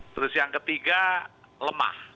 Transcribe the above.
terus yang ketiga lemah